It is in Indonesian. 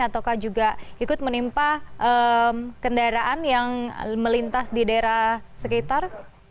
ataukah juga ikut menimpa kendaraan yang melintas di daerah sekitar